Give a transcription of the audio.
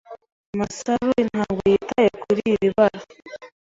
Masaru ntabwo yitaye kuri iri bara.